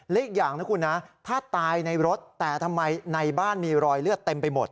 อีกอย่างนะคุณนะถ้าตายในรถแต่ทำไมในบ้านมีรอยเลือดเต็มไปหมด